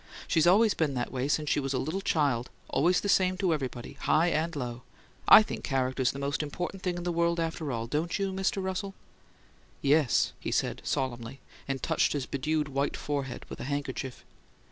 She's always been that way since she was a little child; always the same to everybody, high and low. I think character's the most important thing in the world, after all, don't you, Mr. Russell?" "Yes," he said, solemnly; and touched his bedewed white forehead with a handkerchief.